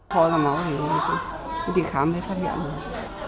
tho ra máu thì đi khám thấy phát hiện được